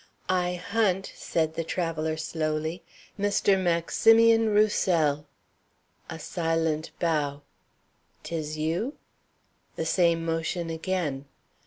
"I hunt," said the traveller slowly, "Mr. Maximian Roussel." A silent bow. "'Tis you?" The same motion again.